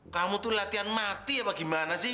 kamu tuh latihan mati apa gimana sih